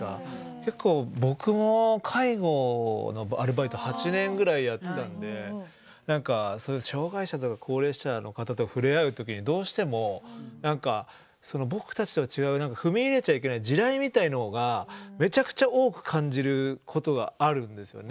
結構僕も介護のアルバイト８年ぐらいやってたんで障害者とか高齢者の方と触れ合う時にどうしても何か僕たちとは違う踏み入れちゃいけない地雷みたいなのがめちゃくちゃ多く感じることがあるんですよね。